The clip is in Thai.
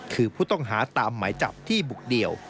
คือผู้ต้องหาตามหมายจับที่บุกเดี่ยว